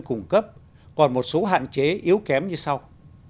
cung cấp còn một số hạn chế yếu kém như sau